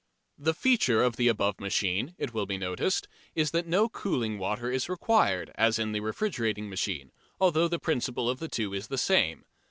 The feature of the above machine, it will be noticed, is that no cooling water is required, as in the refrigerating machine, although the principle of the two is the same.